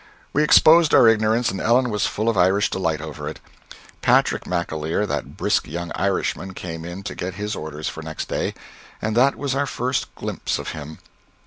We exposed our ignorance, and Ellen was fall of Irish delight over it. Patrick McAleer, that brisk young Irishman, came in to get his orders for next day and that was our first glimpse of him....